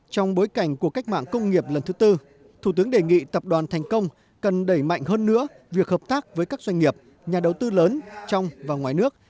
trong bối cảnh của cách mạng công nghiệp lần thứ tư thủ tướng đề nghị tập đoàn thành công cần đẩy mạnh hơn nữa việc hợp tác với các doanh nghiệp nhà đầu tư lớn trong và ngoài nước